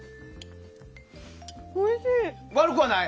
おいしい！